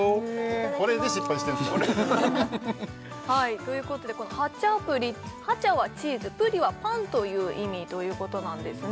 これで失敗してるんですからということでこのハチャプリ「ハチャ」はチーズ「プリ」はパンという意味ということなんですね